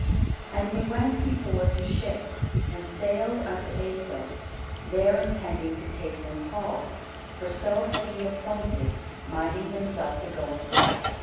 And we went before to ship, and sailed unto Assos, there intending to take in Paul: for so had he appointed, minding himself to go afoot.